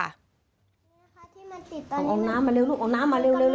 เอาน้ำมาเร็วลูกเอาน้ำมาเร็ว